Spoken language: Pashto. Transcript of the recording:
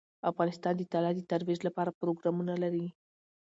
افغانستان د طلا د ترویج لپاره پروګرامونه لري.